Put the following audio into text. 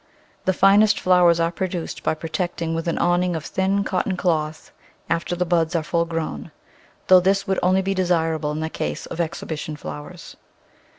The finest flowers are produced by pro tecting with an awning of thin cotton cloth after the buds are fully grown — though this would only be desirable in the case of exhibition flowers.